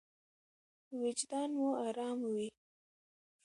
وجدان مو ارام وي.